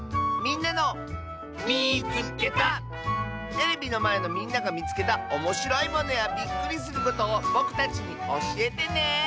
テレビのまえのみんながみつけたおもしろいものやびっくりすることをぼくたちにおしえてね！